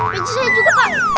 peci saya juga pak